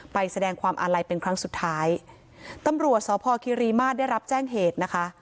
ไปแสดงความอาลัยเป็นครั้งสุดท้ายตำรวจสพคิริมาตรได้รับแจ้งเหตุนะคะ